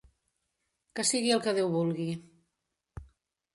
Que sigui el que Déu vulgui.